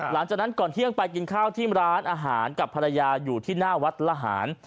หลังจากนั้นก่อนเที่ยงไปกินข้าวที่ร้านอาหารกับภรรยาอยู่ที่หน้าวัดละหาร